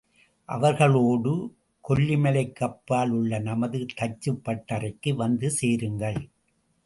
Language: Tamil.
அவர்களோடு கொல்லிமலைக்கு அப்பால் உள்ள நமது தச்சுப்பட்டறைக்கு வந்து சேருங்கள்.